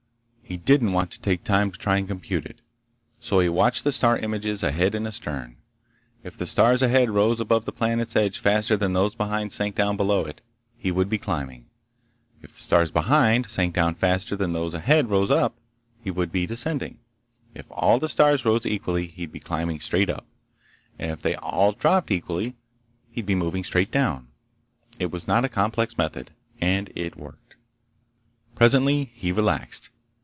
He didn't want to take time to try to compute it. So he watched the star images ahead and astern. If the stars ahead rose above the planet's edge faster than those behind sank down below it—he would be climbing. If the stars behind sank down faster than those ahead rose up—he would be descending. If all the stars rose equally he'd be climbing straight up, and if they all dropped equally he'd be moving straight down. It was not a complex method, and it worked. Presently he relaxed.